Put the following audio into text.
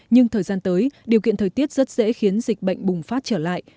nhưng thời gian tới điều kiện thời tiết rất dễ khiến dịch bệnh bùng phát trở lại